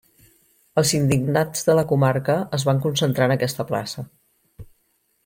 Els Indignats de la comarca es van concentrar en aquesta plaça.